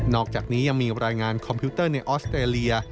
อกจากนี้ยังมีรายงานคอมพิวเตอร์ในออสเตรเลีย